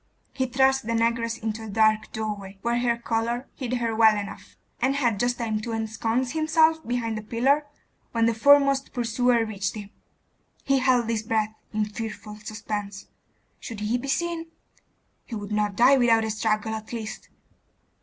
He thrust the negress into a dark doorway, where her colour hid her well enough, and had just time to ensconce himself behind a pillar, when the foremost pursuer reached him. He held his breath in fearful suspense. Should he be seen? He would not die without a struggle at least.